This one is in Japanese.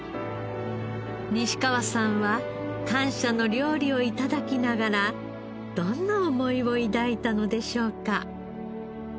西川さんは感謝の料理を頂きながらどんな思いを抱いたのでしょうか？